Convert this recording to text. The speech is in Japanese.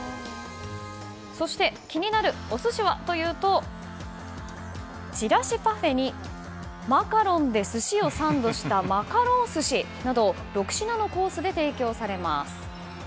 そして気になるお寿司はというとちらしパフェにマカロンで寿司をサンドしたマカロン寿司など６品のコースで提供されます。